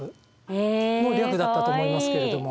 あ。の略だったと思いますけれども。